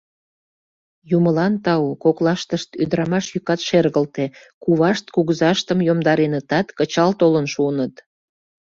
Юмылан тау, коклаштышт ӱдырамаш йӱкат шергылте: кувашт кугызаштым йомдаренытат, кычал толын шуыныт.